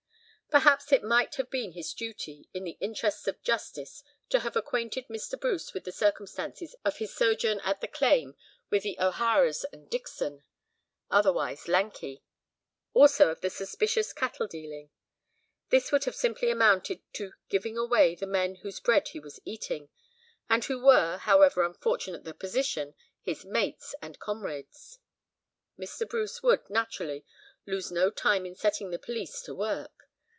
Perhaps it might have been his duty, in the interests of justice, to have acquainted Mr. Bruce with the circumstances of his sojourn at the claim with the O'Haras and Dixon (otherwise Lanky); also of the suspicious cattle dealing. This would have simply amounted to "giving away" the men whose bread he was eating, and who were, however unfortunate the position, his "mates" and comrades. Mr. Bruce would, naturally, lose no time in setting the police to work.